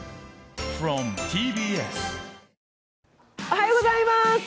おはようございます。